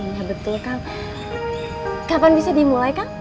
iya betul kang kapan bisa dimulai kang